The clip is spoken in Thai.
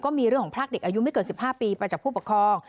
มีเรื่องของพรากเด็กอายุไม่เกิน๑๕ปีไปจากผู้ปกครอง